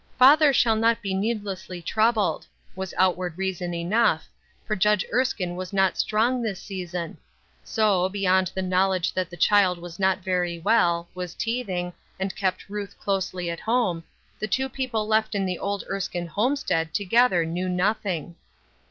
" Father shall not be needlessly troubled," was outward reason enough, for Judge Erskine was not strong this season ; so, beyond the knowledge that the child was not very well, was teething, and kept Ruth closely at home, the two people left in the old Erskine homestead together knew nothing.